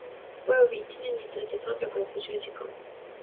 及び一年について三百六十時間